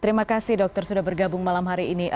terima kasih dokter sudah bergabung malam hari ini